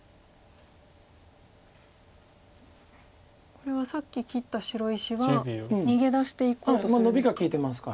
これはさっき切った白石は逃げ出していこうとするんですか。